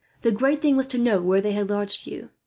The great thing was to know where they had lodged you.